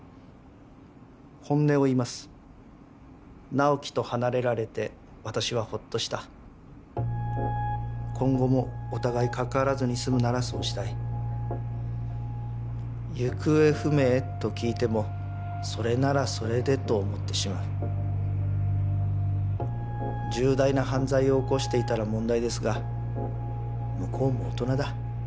本音を言います直木と離れられて私はホッとした今後もお互い関わらずに済むならそうしたい行方不明と聞いてもそれならそれでと思ってしまう重大な犯罪を起こしていたら問題ですが向こうも大人だ